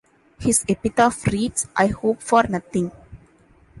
His epitaph reads I hope for nothing.